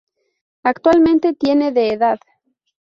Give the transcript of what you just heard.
Actualmente tiene de edad.